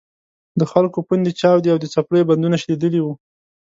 د خلکو پوندې چاودې او د څپلیو بندونه شلېدلي وو.